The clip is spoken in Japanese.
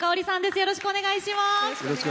よろしくお願いします。